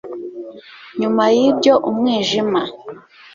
Nyuma yibyo umwijima